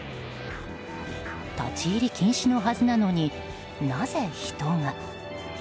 立ち入り禁止のはずなのになぜ人が。